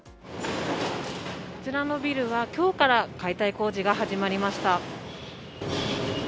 こちらのビルは、きょうから解体工事が始まりました。